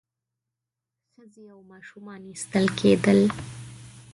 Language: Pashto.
ښځې او ماشومان ایستل کېدل.